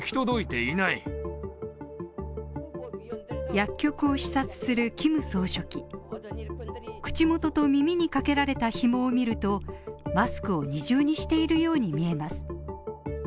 薬局を視察するキム総書記口元と耳にかけられた紐を見ると、マスクを二重にしているように見えます